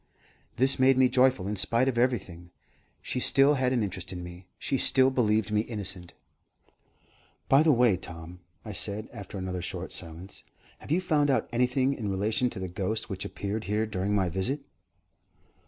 This made me joyful in spite of everything. She still had an interest in me; she still believed me innocent. "By the way, Tom," I said, after another short silence, "have you found out anything in relation to the ghost which appeared here during my visit?"